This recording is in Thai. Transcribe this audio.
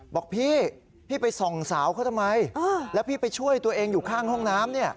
บอกพี่พี่ไปส่องสาวเขาทำไมแล้วพี่ไปช่วยตัวเองอยู่ข้างห้องน้ำ